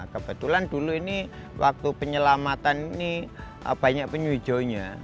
kebetulan dulu ini waktu penyelamatan ini banyak penyu hijaunya